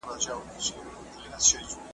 تودې اوبه څښل ګټه لري.